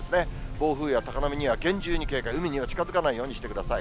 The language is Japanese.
暴風や高波には厳重に警戒、海には近づかないようにしてください。